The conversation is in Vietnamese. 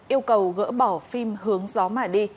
yêu cầu gỡ bỏ phim hướng gió mà đi